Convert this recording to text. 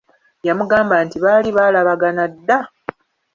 Agambye nti baali baalabagana dda!